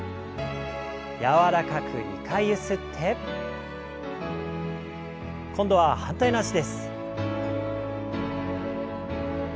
柔らかく２回ゆすって。今度は反対の脚です。